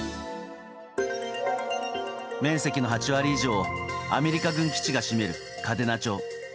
面積の８割以上をアメリカ軍基地が占める嘉手納町。